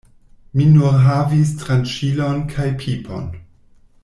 Mi nur havis tranĉilon kaj pipon.